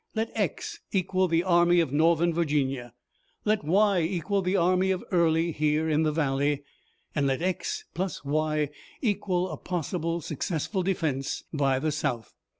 Let x equal the Army of Northern Virginia, let y equal the army of Early here in the valley, and let x plus y equal a possibly successful defense by the South.